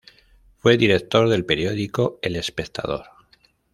Fue director del periódico "El Espectador".